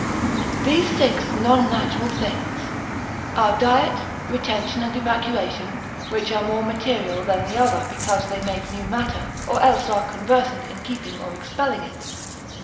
These six non natural things are diet, retention and evacuation, which are more material than the other because they make new matter, or else are conversant in keeping or expelling of it.